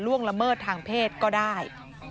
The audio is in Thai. ละเมิดทางเพศก็ได้